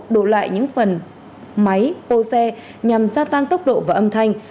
đổ lại những phần máy ô xe nhằm xa tăng tốc độ và âm thanh